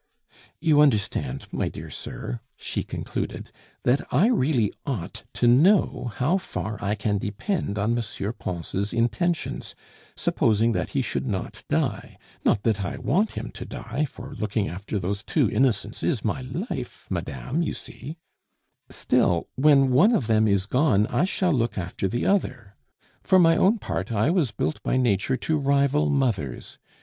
"You understand, my dear sir," she concluded, "that I really ought to know how far I can depend on M. Pons' intentions, supposing that he should not die; not that I want him to die, for looking after those two innocents is my life, madame, you see; still, when one of them is gone I shall look after the other. For my own part, I was built by Nature to rival mothers.